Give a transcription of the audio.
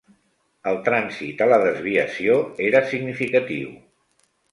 El trànsit a la desviació era significatiu.